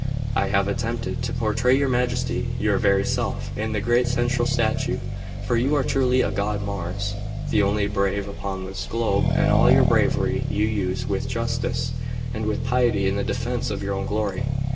I have attempted to portray your Majesty, your very self, in the great central statue; for you are truly a god Mars, the only brave upon this globe, and all your bravery you use with justice and with piety in the defence of your own glory."